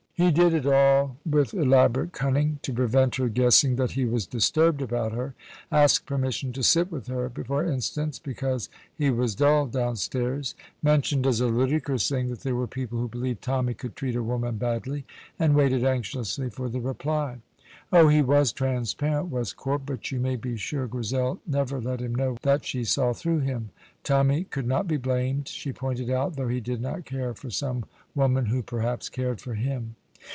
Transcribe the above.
He did it all with elaborate cunning, to prevent her guessing that he was disturbed about her: asked permission to sit with her, for instance, because he was dull downstairs; mentioned as a ludicrous thing that there were people who believed Tommy could treat a woman badly, and waited anxiously for the reply. Oh, he was transparent, was Corp, but you may be sure Grizel never let him know that she saw through him. Tommy could not be blamed, she pointed out, though he did not care for some woman who perhaps cared for him.